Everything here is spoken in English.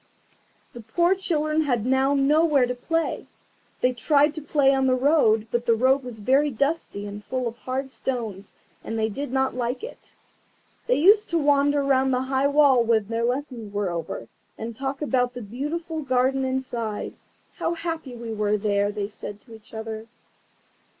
The poor children had now nowhere to play. They tried to play on the road, but the road was very dusty and full of hard stones, and they did not like it. They used to wander round the high wall when their lessons were over, and talk about the beautiful garden inside. "How happy we were there," they said to each other.